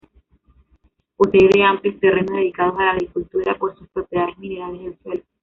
Posee de amplios terrenos dedicados a la agricultura por sus propiedades minerales del suelo.